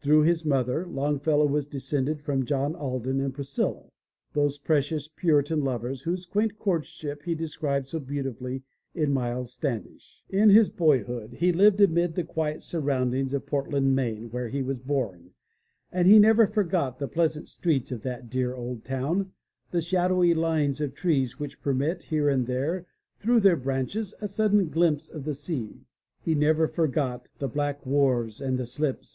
Through his mother Longfellow was descended from John Alden and Priscilla, those precious Puritan lovers whose quaint courtship he described so beautifully in Miles Standish. In his boyhood he 129 MY BOOK HOUSE lived amid the quiet surroundings of Portland, Maine, where he was bom, and he never forgot the pleasant streets of that dear old town, the shadowy lines of trees which permit, here and there through their branches, a sudden glimpse of the sea. He never forgot '*the black wharves and the slips.